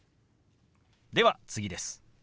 では次です。